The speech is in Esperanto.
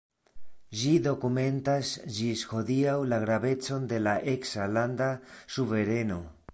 Ĝi dokumentas ĝis hodiaŭ la gravecon de la eksa landa suvereno.